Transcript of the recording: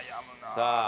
さあ。